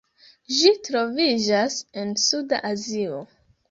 Ĝi troviĝas en Suda Azio.